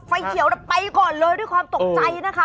ไฟเขียวแล้วไปก่อนเลยด้วยความตกใจนะคะ